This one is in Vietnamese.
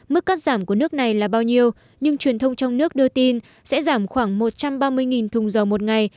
mức cắt giảm của nước này là bao nhiêu nhưng truyền thông trong nước đưa tin sẽ giảm khoảng một trăm ba mươi thùng dầu một ngày